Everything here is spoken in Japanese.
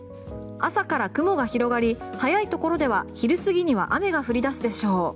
朝から雲が広がり早いところでは昼過ぎには雨が降り出すでしょう。